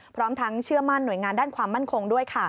พร้อมทั้งเชื่อมั่นหน่วยงานด้านความมั่นคงด้วย